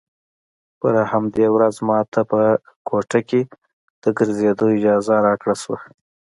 پر همدې ورځ ما ته په کوټه کښې د ګرځېدو اجازه راکړل سوه.